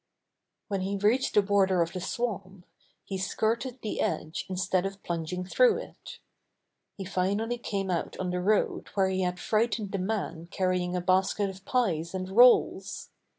When he reached the border of the swamp, he skirted the edge instead of plunging through it He finally came out on the road where he had frightened the man carrying a basket of pies and rolls.